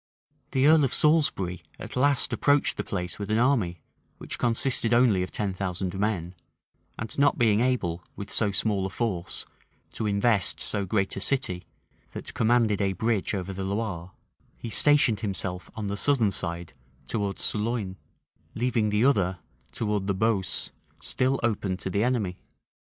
The earl of Salisbury at last approached the place with an army, which consisted only of ten thousand men; and not being able, with so small a force, to invest so great a city, that commanded a bridge over the Loire, he stationed himself on the southern side towards Sologne, leaving the other, towards the Beausse, still open to the enemy.